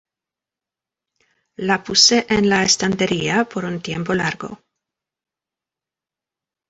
La puse en la estantería por un tiempo largo.